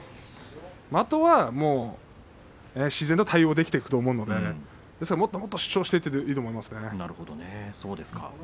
あとは自然と対応できていくと思うのでもっと主張していっていいと思いますね。